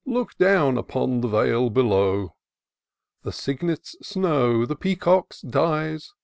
Look down upon the vale below! The cygnet's snow, the peacock's dyes.